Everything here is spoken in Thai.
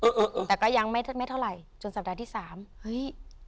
อืมแต่ก็ยังไม่ไม่เท่าไหร่จนสัปดาห์ที่สามเฮ้ย